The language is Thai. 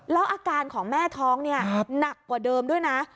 แล้วอาการของแม่ท้องเนี่ยหนักกว่าเดิมด้วยนะ